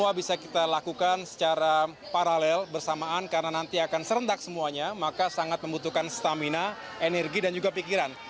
semua bisa kita lakukan secara paralel bersamaan karena nanti akan serentak semuanya maka sangat membutuhkan stamina energi dan juga pikiran